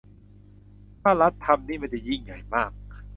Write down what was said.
ถ้ารัฐทำนี่มันจะยิ่งใหญ่มาก